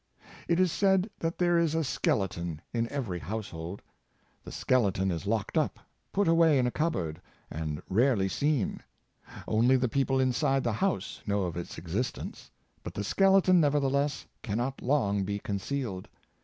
It is said that there is a skeleton in every household. The skeleton is locked up — put away in a cupboard — and rarel}^ seen. Only the people inside the house know of its existence. But the skeleton, nevertheless, cannot long be concealed.